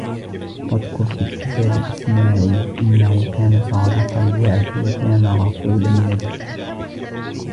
وَاذْكُرْ فِي الْكِتَابِ إِسْمَاعِيلَ إِنَّهُ كَانَ صَادِقَ الْوَعْدِ وَكَانَ رَسُولًا نَبِيًّا